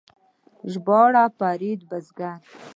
ژباړه فرید بزګر